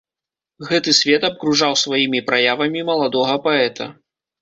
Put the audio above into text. Гэты свет абкружаў сваімі праявамі маладога паэта.